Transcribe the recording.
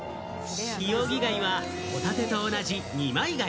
ヒオウギ貝はホタテと同じ二枚貝。